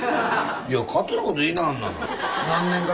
いや勝手なこと言いなはんな。